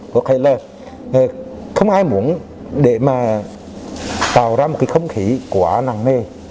có thể là không ai muốn để mà tạo ra một cái không khí quá nặng nề